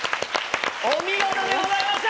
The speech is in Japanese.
お見事でございました！